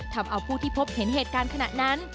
ทำเอาผู้ที่พบเห็นเหตุการณ์ขณะนั้น